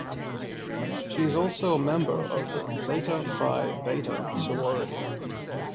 She is also a member of the Zeta Phi Beta Sorority.